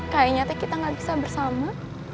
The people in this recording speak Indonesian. kayaknya kita gak bisa bersama